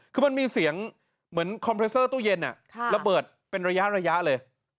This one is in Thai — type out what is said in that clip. คือมันมีเสียงเหมือนคอมเพรวเซอร์ตู้เย็นระเบิดเป็นระยะเลย